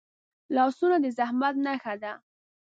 لاسونه د زحمت نښه ده